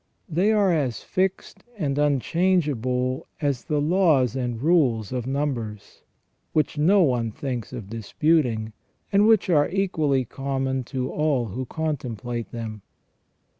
They are as fixed and unchange able as the laws and rules of numbers, which no one thinks of disputing, and which are equally common to all who contemplate them.